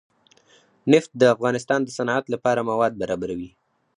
نفت د افغانستان د صنعت لپاره مواد برابروي.